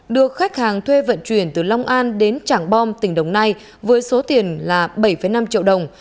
được khách hàng thuê vận chuyển từ long an đến trảng bom tỉnh đồng nai với số tiền là bảy năm triệu đồng